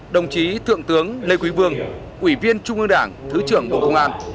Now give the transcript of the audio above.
đồng chí thượng tướng lê quý vương ủy viên trung ương đảng thứ trưởng bộ công an